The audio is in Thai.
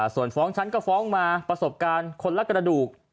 ส่วนฟ้องฉันก็ฟ้องมาประสบการณ์คนละกระดูก